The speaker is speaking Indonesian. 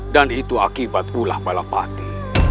dan itu akibat pula balapati